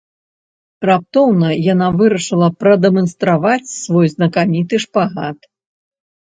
Раптоўна яна вырашыла прадэманстраваць свой знакаміты шпагат.